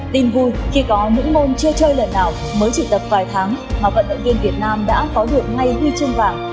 tin vui khi có những môn chơi chơi lần nào mới chỉ tập vài tháng mà vận động viên việt nam đã có được ngay huy chương vàng